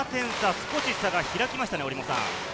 少し差が開きました。